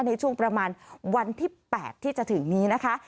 ในช่วงประมาณวันที่๘ที่จะถึงนี้นะคะ